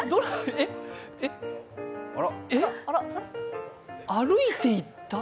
えっ、えっ歩いていった！？